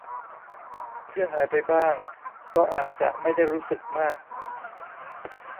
เพื่อนหายไปบ้างก็อาจจะไม่ได้รู้สึกมาก